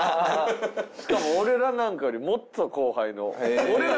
しかも俺らなんかよりもっと後輩の。